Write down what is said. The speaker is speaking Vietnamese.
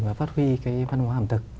và phát huy văn hóa ẩm thực